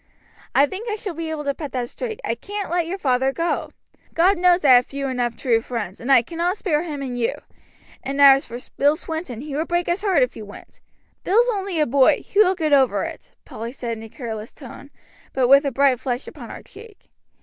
"I think I shall be able to put that straight. I can't let your father go. God knows I have few enough true friends, and I cannot spare him and you; and as for Bill Swinton, he would break his heart if you went." "Bill's only a boy; he will get over it," Polly said in a careless tone, but with a bright flush upon her cheek.